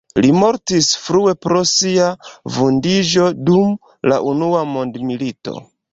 Li mortis frue pro sia vundiĝo dum la unua mondmilito.